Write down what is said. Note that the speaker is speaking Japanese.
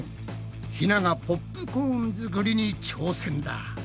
ひながポップコーン作りに挑戦だ。